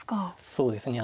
そうですね